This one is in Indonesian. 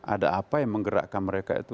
ada apa yang menggerakkan mereka itu